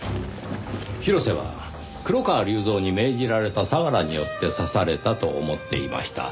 広瀬は黒川龍蔵に命じられた相良によって刺されたと思っていました。